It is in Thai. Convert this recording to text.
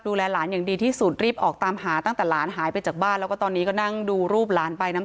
ปู่อยากบอกอะไรหลานเป็นครั้งสุดท้ายไหมอ่ะ